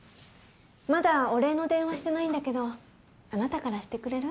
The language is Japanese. まだお礼の電話してないんだけどあなたからしてくれる？